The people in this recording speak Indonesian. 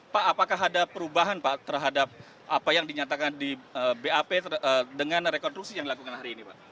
pak apakah ada perubahan pak terhadap apa yang dinyatakan di bap dengan rekonstruksi yang dilakukan hari ini pak